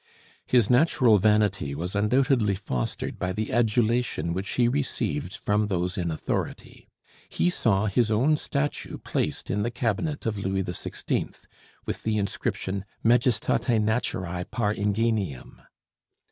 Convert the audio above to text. His natural vanity was undoubtedly fostered by the adulation which he received from those in authority. He saw his own statue placed in the cabinet of Louis XVI., with the inscription "Majestati Naturæ par ingenium."